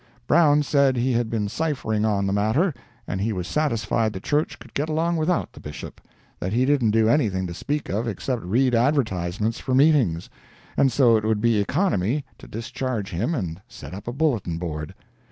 Brown said he had been ciphering on the matter, and he was satisfied the church could get along without the Bishop—that he didn't do anything to speak of except read advertisements for meetings, and so it would be economy to discharge him and set up a bulletin board.